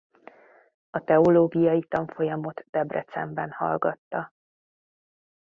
A teológiai tanfolyamot Debrecenben hallgatta.